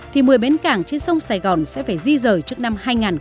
thì một mươi bến cảng trên sông sài gòn sẽ phải di rời trước năm hai nghìn hai mươi